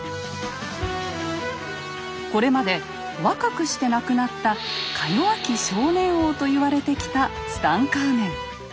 これまで若くして亡くなった「か弱き少年王」と言われてきたツタンカーメン。